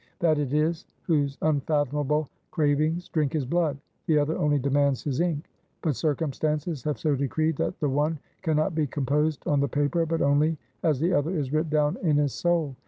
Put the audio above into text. That it is, whose unfathomable cravings drink his blood; the other only demands his ink. But circumstances have so decreed, that the one can not be composed on the paper, but only as the other is writ down in his soul.